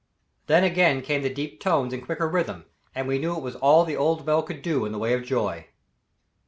Then again came the deep tones in quicker rhythm, and we knew it was all the old bell could do in the way of joy.